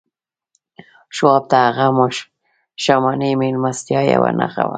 شواب ته هغه ماښامنۍ مېلمستیا یوه نښه وه